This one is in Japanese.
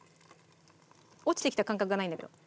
落ちてきた感覚がないんだけど。